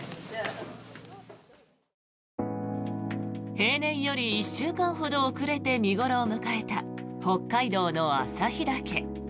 平年より１週間ほど遅れて見頃を迎えた北海道の旭岳。